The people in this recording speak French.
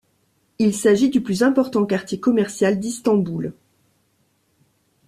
Il s'agit du plus important quartier commercial d'Istanbul.